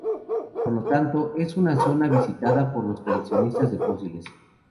Por lo tanto, es una zona visitada por los coleccionistas de fósiles.